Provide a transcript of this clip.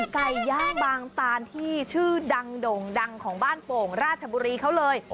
ไก่ย่างบางตานที่ชื่อดังโด่งดังของบ้านโป่งราชบุรีเขาเลย